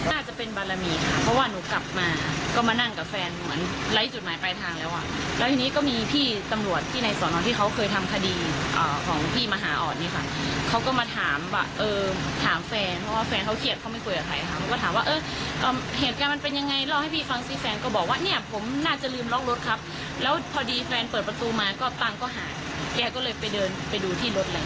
แกเปิดประตูมาก็ตั้งก็หาแกก็เลยไปเดินไปดูที่รถอะไรอย่างเนี้ย